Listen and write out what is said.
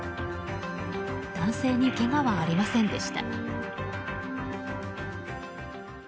男性にけがはありませんでした。